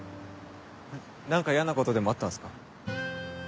何か嫌なことでもあったんすか？